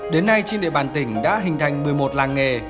đến nay trên địa bàn tỉnh đã hình thành một mươi một làng nghề